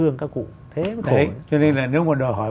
nhưng mà đòi hỏi